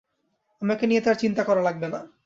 আমাকে নিয়ে তাঁর চিন্তা করা লাগবে না।